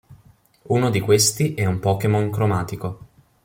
Uno di questi è un Pokémon cromatico.